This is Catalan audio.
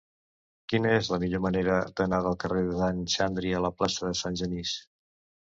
Quina és la millor manera d'anar del carrer d'en Xandri a la plaça de Sant Genís?